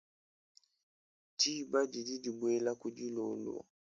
Diba didi dibuela kudilolo.